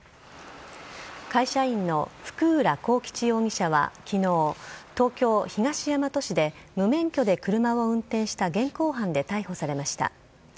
会社員の福浦幸吉容疑者は昨日東京・東大和市で無免許で車を運転した現行犯で逮捕されました。